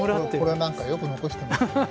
これなんかよく残してますよね。